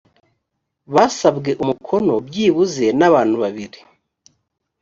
basabwe umukono byibuze n abantu babiri